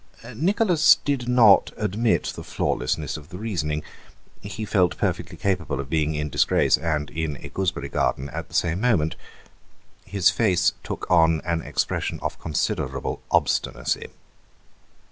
Nicholas did not admit the flawlessness of the reasoning; he felt perfectly capable of being in disgrace and in a gooseberry garden at the same moment. His face took on an expression of considerable obstinacy.